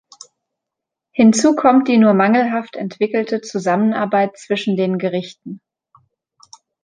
Hinzu kommt die nur mangelhaft entwickelte Zusammenarbeit zwischen den Gerichten.